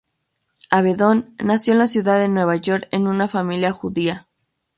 Avedon nació en la ciudad de Nueva York en una familia judía.